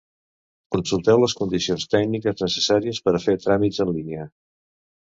Consulteu les condicions tècniques necessàries per a fer tràmits en línia.